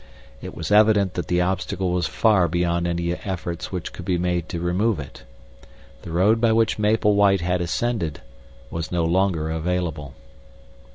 It was evident that the obstacle was far beyond any efforts which we could make to remove it. The road by which Maple White had ascended was no longer available.